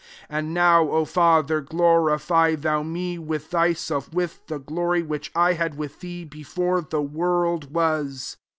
5 And now, O Father, glorify thou me wiUi thyself, with the glory which I had with thee before the world was.